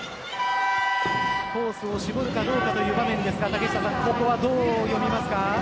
コースを絞るかどうかという場面ですがここはどう読みますか？